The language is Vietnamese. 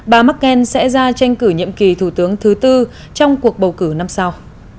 bà merkel sẽ ra tranh cử nhiệm kỳ thủ tướng thứ tư trong cuộc bầu cử năm sau